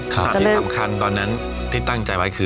แต่ที่สำคัญตอนนั้นที่ตั้งใจไว้คือ